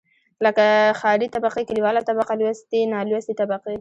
لکه ښاري طبقې، کليواله طبقه لوستې، نالوستې طبقې.